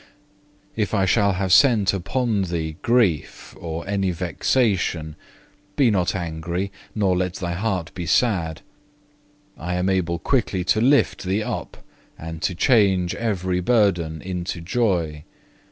If I shall have sent upon thee grief or any vexation, be not angry, nor let thy heart be sad; I am able quickly to lift thee up and to change every burden into joy.